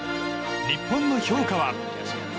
日本の評価は？